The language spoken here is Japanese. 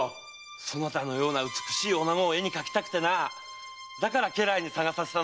そなたのような美しい女子を絵に描きたくて家来に捜させた。